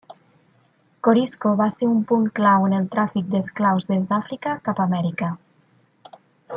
Corisco va ser un punt clau en el tràfic d'esclaus des d'Àfrica cap Amèrica.